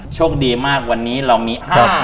โชคดีมากวันนี้เรามีอัพ